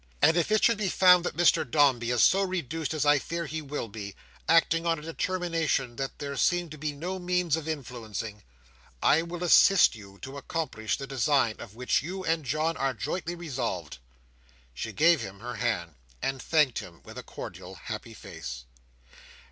And if it should be found that Mr Dombey is so reduced as I fear he will be, acting on a determination that there seem to be no means of influencing, I will assist you to accomplish the design, on which you and John are jointly resolved." She gave him her hand, and thanked him with a cordial, happy face.